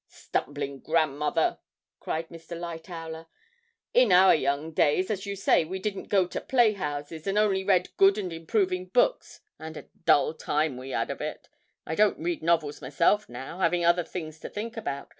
'Stumbling grandmother!' cried Mr. Lightowler. 'In our young days, as you say, we didn't go to playhouses, and only read good and improving books, and a dull time we 'ad of it! I don't read novels myself now, having other things to think about.